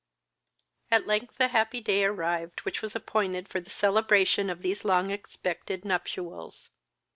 X. At length the happy day arrived which was appointed for the celebration of these long expected nuptials.